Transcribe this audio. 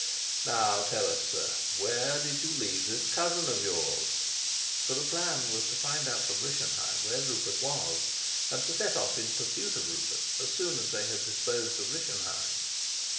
Now tell us, sir, where did you leave this cousin of yours?" For the plan was to find out from Rischenheim where Rupert was, and to set off in pursuit of Rupert as soon as they had disposed of Rischenheim.